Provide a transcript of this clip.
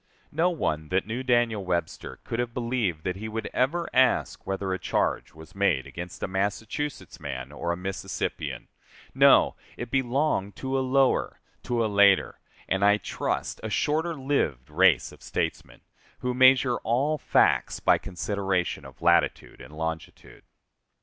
No one that knew Daniel Webster could have believed that he would ever ask whether a charge was made against a Massachusetts man or a Mississippian. No! It belonged to a lower, to a later, and I trust a shorter lived race of statesmen, who measure all facts by considerations of latitude and longitude.